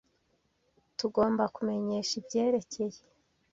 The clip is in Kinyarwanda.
Tugomba kubamenyesha ibyerekeye.